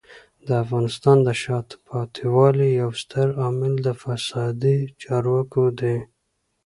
د افغانستان د شاته پاتې والي یو ستر عامل د فسادي چارواکو دی.